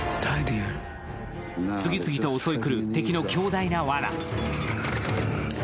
次々と襲いくる敵の強大なわな。